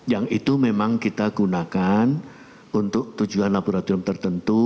yang itu memang kita gunakan untuk tujuan laboratorium tertentu